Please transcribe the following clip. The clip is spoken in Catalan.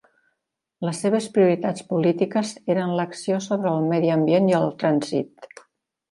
Les seves prioritats polítiques eren l'acció sobre el medi ambient i el trànsit.